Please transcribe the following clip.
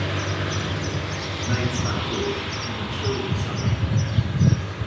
Nights are cool, even chilly in summer.